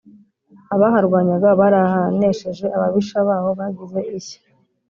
Abaharwanyaga barahanesheje, Ababisha baho bagize ishya.